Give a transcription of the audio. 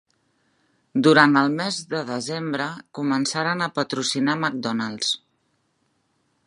Durant el mes de desembre, començaren a patrocinar McDonald's.